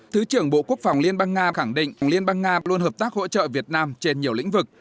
thứ trưởng bộ quốc phòng liên bang nga khẳng định liên bang nga luôn hợp tác hỗ trợ việt nam trên nhiều lĩnh vực